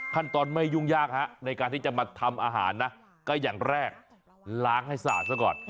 ขั้นตอนไม่ยุ่งยากฮะในการที่จะมาทำอาหารนะก็อย่างแรกล้างให้สะอาดซะก่อน